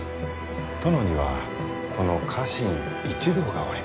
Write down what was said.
殿にはこの家臣一同がおります。